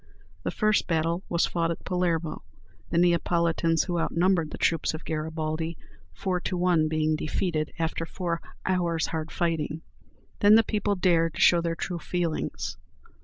The first battle was fought at Palermo, the Neapolitans who outnumbered the troops of Garibaldi four to one being defeated after four hours' hard fighting. Then the people dared to show their true feelings.